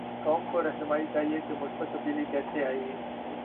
قوم کوراہنمائی چاہیے کہ مثبت تبدیلی کیسے آئے گی؟